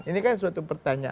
ini kan suatu pertanyaan